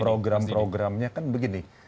program programnya kan begini